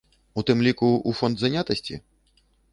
У тым ліку ў фонд занятасці?